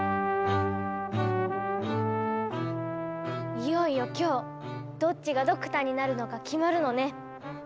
いよいよ今日どっちがドクターになるのか決まるのね。